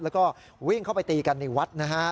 แล้วก็วิ่งเข้าไปตีกันในวัดนะฮะ